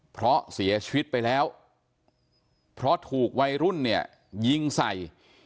เพราะเสียชีวิตไปแล้วเพราะถูกวัยรุ่นเนี่ยยิงใส่